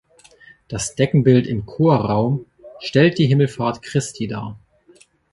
Das Deckenbild im Chorraum stellt die Himmelfahrt Christi dar.